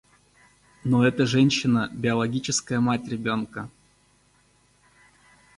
Но эта женщина – биологическая мать ребенка.